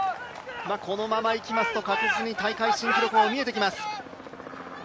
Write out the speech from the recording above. このままいきますと、確実に大会新記録も見えてきます。